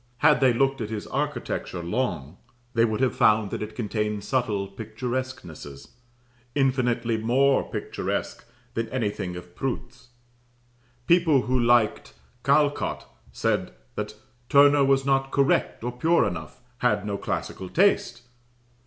Had they looked at his architecture long, they would have found that it contained subtle picturesquenesses, infinitely more picturesque than anything of Prout's. People who liked Callcott said that "Turner was not correct or pure enough had no classical taste."